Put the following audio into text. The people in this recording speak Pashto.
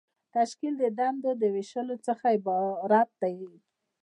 تشکیل د دندو د ویشلو څخه عبارت دی.